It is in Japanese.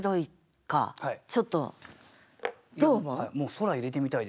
「空」入れて下さい。